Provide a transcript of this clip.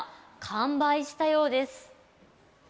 完売したようです。